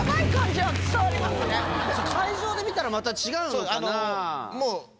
会場で見たらまた違うのかな。